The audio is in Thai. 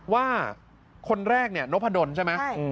ว่าคนแรกเนี่ยนพดลใช่ไหม